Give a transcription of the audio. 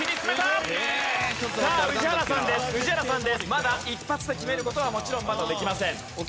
まだ一発で決める事はもちろんまだできません。